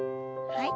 はい。